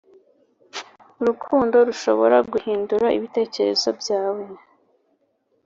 urukundo rushobora guhindura ibitekerezo byawe